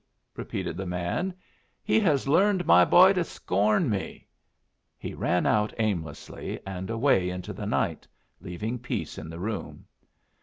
repeated the man. "He has learned my boy to scorn me." He ran out aimlessly, and away into the night, leaving peace in the room.